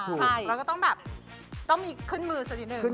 เราก็ต้องแบบต้องมีขึ้นมือสักนิดนึง